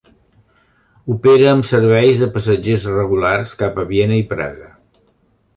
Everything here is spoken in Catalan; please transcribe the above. Opera amb serveis de passatgers regulars cap a Viena i Praga.